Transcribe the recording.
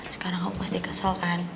sekarang aku pasti kesel kan